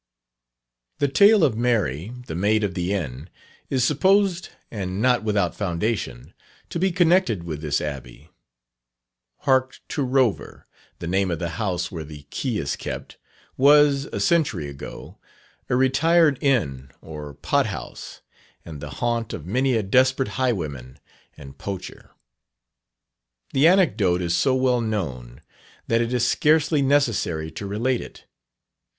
The tale of "Mary, the Maid of the Inn," is supposed, and not without foundation, to be connected with this Abbey. "Hark to Rover," the name of the house where the key is kept, was, a century ago, a retired inn or pot house, and the haunt of many a desperate highwayman and poacher. The anecdote is so well known, that it is scarcely necessary to relate it.